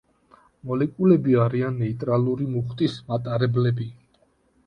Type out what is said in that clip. მოლეკულები არიან ნეიტრალური მუხტის მატარებლები.